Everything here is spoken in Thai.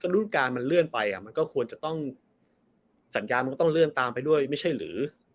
รุ่นการมันเลื่อนไปไม่ใช่หรือ